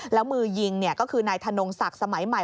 แล้วมือยิงก็คือนายธนงศักดิ์สมัยใหม่